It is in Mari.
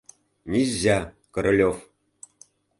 Низзя, Королёв!